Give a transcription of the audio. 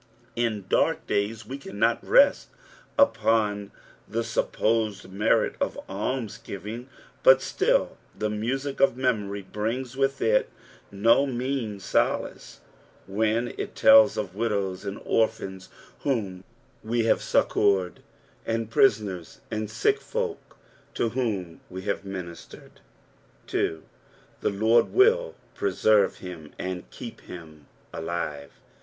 ' m dark dkys we cannot rest upon the BUpjiDBed merit of almsgiving, but still the music of memcrj brings with it no mean solace when it telFs of widows and orphans whom we have succoured, and prisiineis and sick folk to whom we have ministered. 3. "Tk« Loi d will preteme Aim, and keep hin aiite."